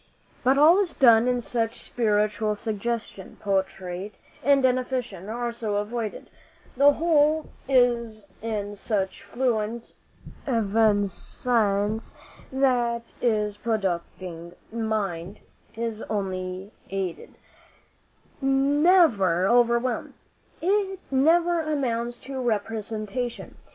But all is done in such spiritual suggestion, portrait and definition are so avoided, the whole is in such fluent evanescence, that the producing mind is only aided, never overwhelmed. It never amounts to representation.